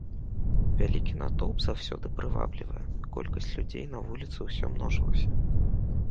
Вялікі натоўп заўсёды прываблівае, колькасць людзей на вуліцы ўсё множылася.